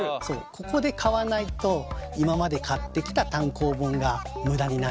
ここで買わないと今まで買ってきた単行本が無駄になっちゃう。